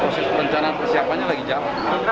proses perencanaan persiapannya lagi jalan